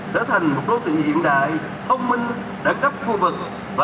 đã thành một lô thị hiện đại thông minh đáng gấp khu vực